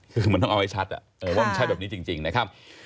คือมันต้องเอาให้ชัดว่ามันใช่แบบนี้จริงนะครับ